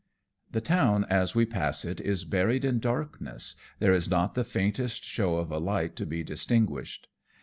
The town as we pass it is buried in darkness, there is not the faintest show of a light to be distinguished.